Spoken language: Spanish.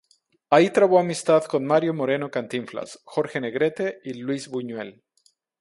Ahí trabó amistad con Mario Moreno Cantinflas, Jorge Negrete y Luis Buñuel.